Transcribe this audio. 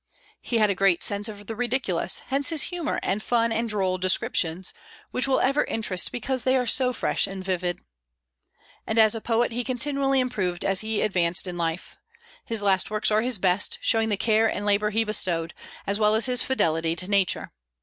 He had a great sense of the ridiculous; hence his humor and fun and droll descriptions, which will ever interest because they are so fresh and vivid. And as a poet he continually improved as he advanced in life. His last works are his best, showing the care and labor he bestowed, as well as his fidelity to nature.